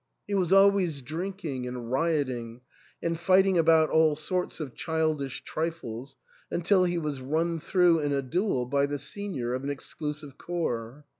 He was always drinking and riot ing, and fighting about all sorts of childish trifles, until he was run through in a duel by the Senior * of an ex clusive corps.